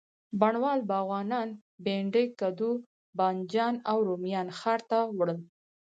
بڼوال، باغوانان، بینډۍ، کدو، بانجان او رومیان ښار ته وړل.